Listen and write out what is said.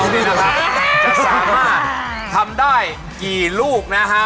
จะสามารถทำได้กี่ลูกนะฮะ